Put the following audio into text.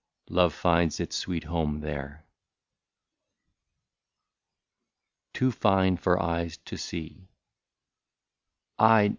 Love finds its sweet home there. 177 TOO FINE FOR EYES TO SEE. Aye